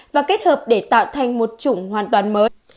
và kết hợp để tạo thành một chủng hoàn toàn mới